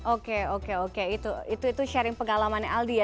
oke oke oke itu sharing pengalamannya aldi ya